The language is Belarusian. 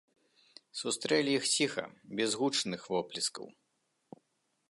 Сустрэлі іх ціха, без гучных воплескаў.